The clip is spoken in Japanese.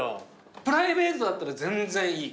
プライベートだったら全然いい。